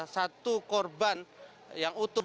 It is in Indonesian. sebuah korban yang utuh